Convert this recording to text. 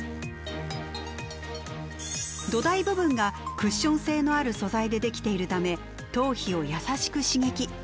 土台部分がクッション性のある素材で出来ているため頭皮を優しく刺激。